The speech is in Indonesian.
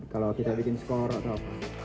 kalau kita bikin skor atau apa